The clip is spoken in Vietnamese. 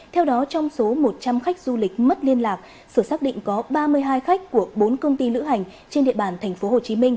theo đó trong số một trăm linh khách du lịch mất liên lạc sở xác định có ba mươi hai khách của bốn công ty lữ hành trên địa bàn tp hcm